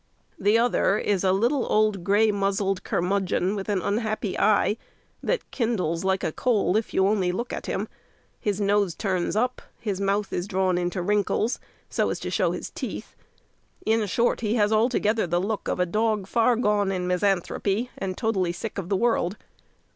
The other is a little, old, grey muzzled curmudgeon, with an unhappy eye, that kindles like a coal if you only look at him; his nose turns up; his mouth is drawn into wrinkles, so as to show his teeth; in short, he has altogether the look of a dog far gone in misanthropy, and totally sick of the world.